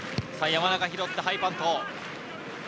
山中拾ってハイパント。